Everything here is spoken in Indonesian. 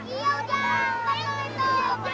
iya ujang betul betul